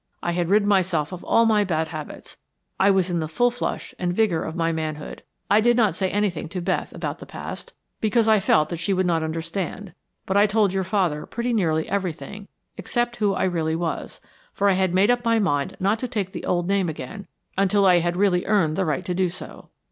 I had rid myself of all my bad habits. I was in the full flush and vigor of my manhood. I did not say anything to Beth about the past, because I felt that she would not understand, but I told your father pretty nearly everything except who I really was, for I had made up my mind not to take the old name again until I had really earned the right to do so.